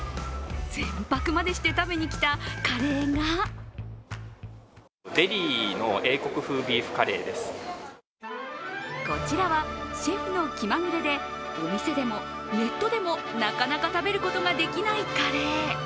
前泊までして食べに来たカレーがこちらはシェフの気まぐれで、お店でもネットでもなかなか食べることができないカレー。